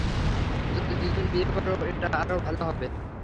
যদি দুজন বিয়ে করো এটা আরো ভালো হবে।